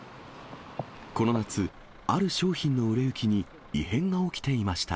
この夏、ある商品の売れ行きに異変が起きていました。